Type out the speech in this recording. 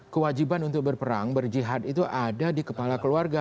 kewajiban untuk berperang berjihad itu ada di kepala keluarga